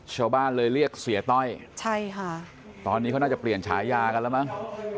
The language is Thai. ชาวบ้านเลยเรียกเสียต้อยใช่ค่ะตอนนี้เขาน่าจะเปลี่ยนฉายากันแล้วมั้ง